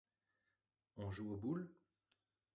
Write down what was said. On joue aux boules ?